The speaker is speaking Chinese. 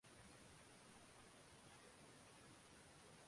今天的日本民族主义情绪在升温。